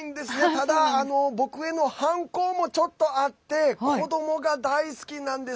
ただ、僕への反抗もちょっとあって子どもが大好きなんです。